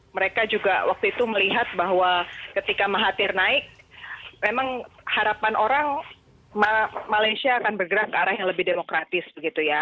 mereka juga waktu itu melihat bahwa ketika mahathir naik memang harapan orang malaysia akan bergerak ke arah yang lebih demokratis begitu ya